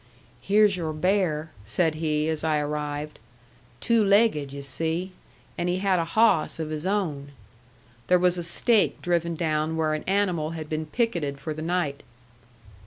"Here's your bear," said he, as I arrived. "Two legged, you see. And he had a hawss of his own." There was a stake driven down where an animal had been picketed for the night.